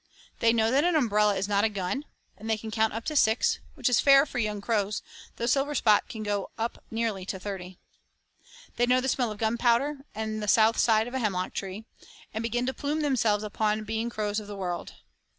They know that an umbrella is not a gun, and they can count up to six, which is fair for young crows, though Silverspot can go up nearly to thirty. They know the smell of gunpowder and the south side of a hemlock tree, and begin to plume themselves upon being crows of the world.